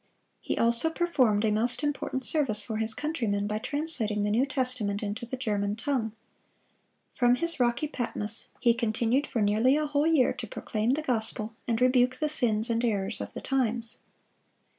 He also performed a most important service for his countrymen by translating the New Testament into the German tongue. From his rocky Patmos he continued for nearly a whole year to proclaim the gospel, and rebuke the sins and errors of the times.